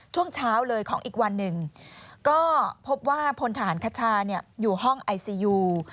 ช่วงเช้าเลยของอีกวันหนึ่งก็พบว่าพลทหารคชาอยู่ห้องไอซียู